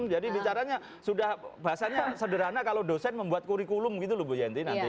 jadi bicaranya sudah bahasanya sederhana kalau dosen membuat kurikulum gitu loh bu yanti nanti